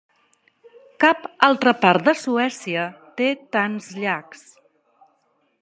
Cap altra part de Suècia té tants llacs.